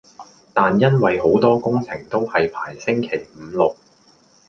但因為好多工程都係排星期五六